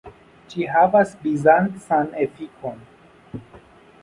Ĝi havas bizancan efikon.